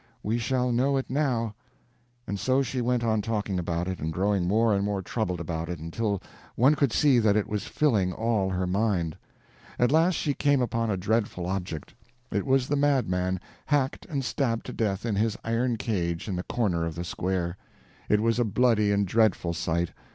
We shall know it now." And so she went on talking about it and growing more and more troubled about it, until one could see that it was filling all her mind. At last we came upon a dreadful object. It was the madman—hacked and stabbed to death in his iron cage in the corner of the square. It was a bloody and dreadful sight.